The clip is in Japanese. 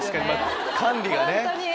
管理がね。